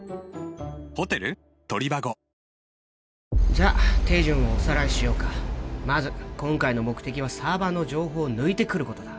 じゃ手順をおさらいしようかまず今回の目的はサーバーの情報を抜いてくることだ